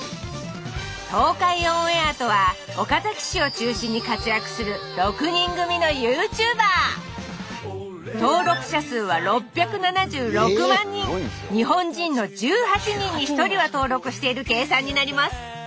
東海オンエアとは岡崎市を中心に活躍する６人組のＹｏｕＴｕｂｅｒ日本人の１８人に１人は登録している計算になります。